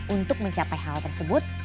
untuk mencapai hal tersebut